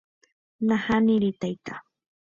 Nahániri taita